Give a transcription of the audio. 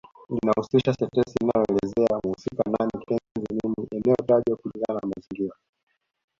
Linahusisha sentensi inayoelezea mhusika nani kitenzi nini eneo tajwa kulingana na mazingira